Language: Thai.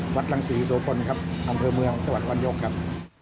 หวัดลังศรีโดฏกลถังเพิลเมืองจังหวัดกลานโยคครับ